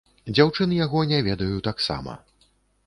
Дзяўчын яго не ведаю таксама.